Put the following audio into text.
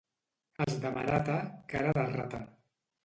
Els de Marata, cara de rata